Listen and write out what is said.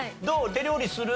手料理する？